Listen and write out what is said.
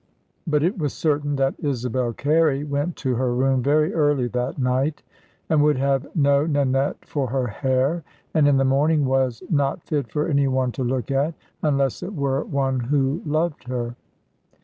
But it was certain that Isabel Carey went to her room very early that night, and would have no Nanette for her hair; and in the morning was "not fit for any one to look at," unless it were one who loved her.